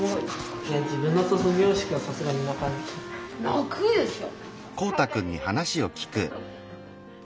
泣くでしょ。